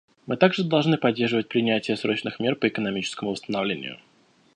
Мы также должны поддерживать принятие срочных мер по экономическому восстановлению.